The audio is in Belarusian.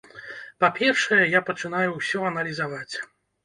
Па-першае, я пачынаю ўсё аналізаваць.